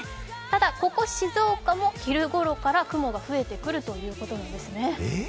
ただ、ここ静岡も昼頃から雲が見えてくるということです。